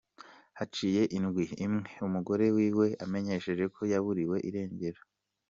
Haciye indwi imwe umugore wiwe amenyesheje ko yaburiwe irengero.